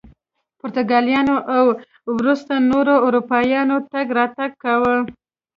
پرتګالیانو او وروسته نورو اروپایانو تګ راتګ کاوه.